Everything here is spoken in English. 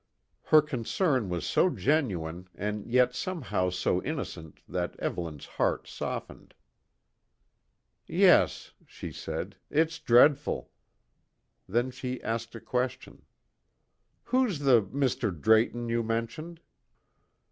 Her concern was so genuine and yet somehow so innocent that Evelyn's heart softened. "Yes," she said; "it's dreadful." Then she asked a question: "Who's the Mr. Drayton you mentioned?"